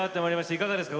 いかがでしたか？